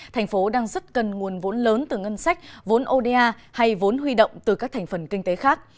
thành phố đang rất cần nguồn vốn lớn từ ngân sách vốn oda hay vốn huy động từ các thành phần kinh tế khác